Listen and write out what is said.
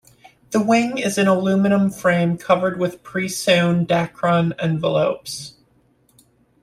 The wing is an aluminium frame covered with pre-sewn Dacron envelopes.